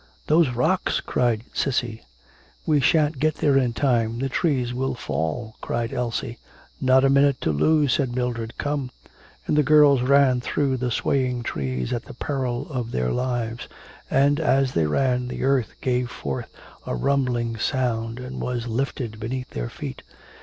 'Those rocks,' cried Cissy. 'We shan't get there in time, the trees will fall,' cried Elsie. 'Not a minute to lose,' said Mildred. 'Come!' And the girls ran through the swaying trees at the peril of their lives. And, as they ran, the earth gave forth a rumbling sound and was lifted beneath their feet.